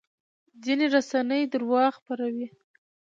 ځینې رسنۍ درواغ خپروي.